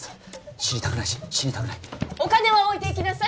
知りたくないし死にたくないお金は置いていきなさい